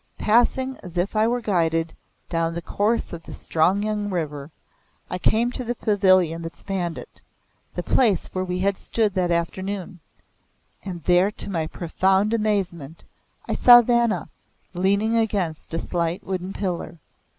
Passing as if I were guided, down the course of the strong young river, I came to the pavilion that spanned it the place where we had stood that afternoon and there to my profound amazement, I saw Vanna, leaning against a slight wooden pillar.